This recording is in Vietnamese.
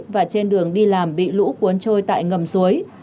và trên đường đi làm bị lũ cuốn trôi tại ngầm suối